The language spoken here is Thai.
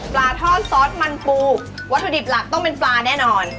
ปลาทอดซอสมันปูวัตถุดิบหลักต้องเป็นปลาแน่นอน